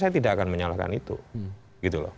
saya tidak akan menyalahkan itu